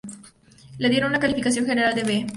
Le dieron una calificación general de "B".